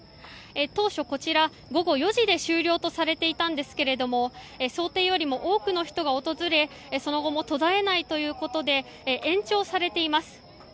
当初こちら、午後４時で終了とされていたんですが想定よりも多くの人が訪れその後も途絶えないということで延長されています。